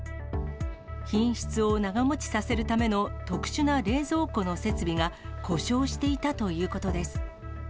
品質を長もちさせるための特殊な冷蔵庫の設備が故障していたということです。